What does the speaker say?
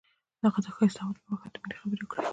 هغه د ښایسته اواز پر مهال د مینې خبرې وکړې.